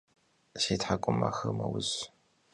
Si thk'umexer meuz.